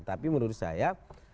tapi menurut saya